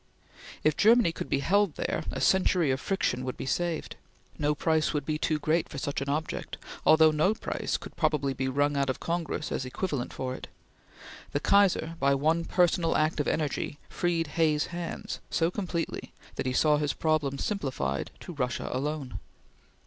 If Germany could be held there, a century of friction would be saved. No price would be too great for such an object; although no price could probably be wrung out of Congress as equivalent for it. The Kaiser, by one personal act of energy, freed Hay's hands so completely that he saw his problems simplified to Russia alone.